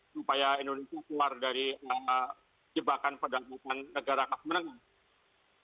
supaya indonesia keluar dari jebakan perdagangan negara kelas menengah